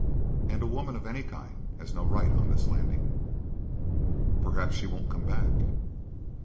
And a woman of any kind has no right on this landing." "Perhaps she won't come back."